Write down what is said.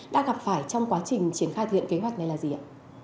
đã gặp phải trong quá trình triển khai thực hiện kế hoạch này là gì ạ